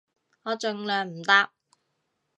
我盡量唔搭